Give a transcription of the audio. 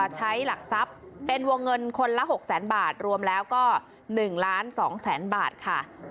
ใช้หลักทรัพย์เป็นวงเงินคนละ๖แสนบาทรวมแล้วก็๑ล้าน๒แสนบาทค่ะ